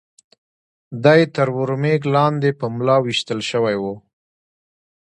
دی تر ور مېږ لاندې په ملا کې وېشتل شوی و.